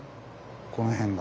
この辺が。